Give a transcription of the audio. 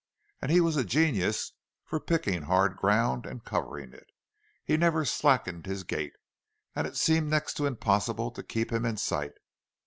And he was a genius for picking hard ground and covering it. He never slackened his gait, and it seemed next to impossible to keep him in sight.